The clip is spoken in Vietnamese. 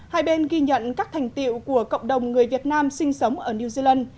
hai bên ghi nhận các thành tiệu của cộng đồng người việt nam sinh sống ở new zealand